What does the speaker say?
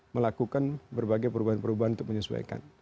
melakukan berbagai perubahan perubahan untuk menyesuaikan